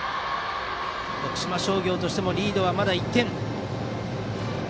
徳島商業もリードはまだ１点。